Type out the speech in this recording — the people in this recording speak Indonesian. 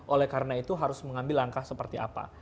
oleh karena itu harus mengambil langkah seperti apa